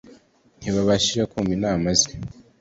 ntibabashije kumva inama ze